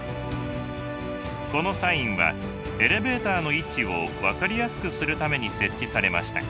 このサインはエレベーターの位置を分かりやすくするために設置されました。